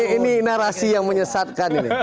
ini narasi yang menyesatkan